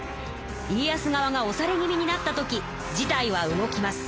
家康側がおされ気味になった時事態は動きます。